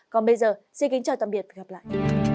còn bây giờ xin kính chào tạm biệt và hẹn gặp lại